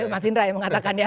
mas indra yang mengatakan ya